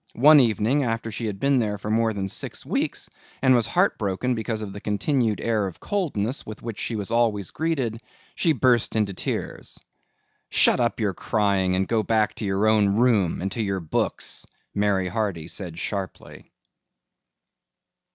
One evening after she had been there for more than six weeks and was heartbroken because of the continued air of coldness with which she was always greeted, she burst into tears. "Shut up your crying and go back to your own room and to your books," Mary Hardy said sharply.